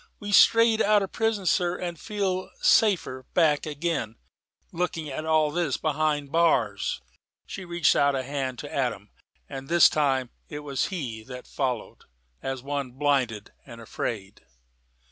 We've strayed out of prison, sir, and shall feel safer back again, looking at all this behind bars." She reached out a hand to Adam: and this time it was he that followed, as one blinded and afraid.